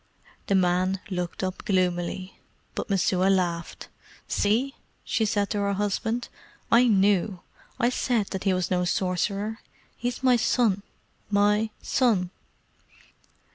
The man looked up gloomily, but Messua laughed. "See!" she said to her husband, "I knew I said that he was no sorcerer. He is my son my son!"